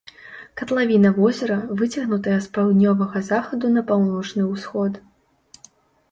Катлавіна возера выцягнутая з паўднёвага захаду на паўночны ўсход.